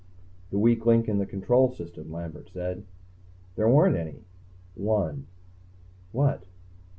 "The weak link in the control system," Lambert said. "There weren't any." "One." "What?"